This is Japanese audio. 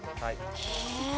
へえ。